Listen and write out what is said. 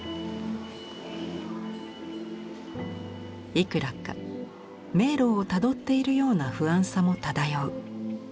「いくらか迷路を辿っているような不安さも漂う。